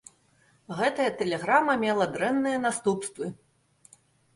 Гэтая тэлеграма мела дрэнныя наступствы.